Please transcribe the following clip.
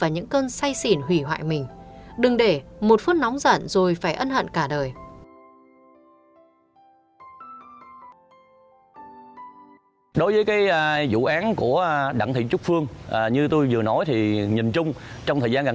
nhưng chỉ vì say xỉn không kiểm soát được hành vi nóng giận